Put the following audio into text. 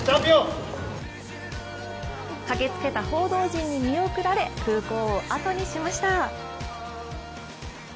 駆けつけた報道陣に見送られ空港をあとにしました。